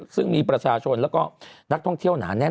ซึ่งมีประชาชนแล้วก็นักท่องเที่ยวหนาแน่น